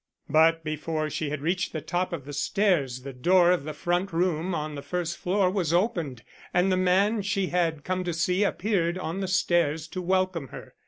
But before she had reached the top of the stairs the door of the front room on the first floor was opened, and the man she had come to see appeared on the stairs to welcome her.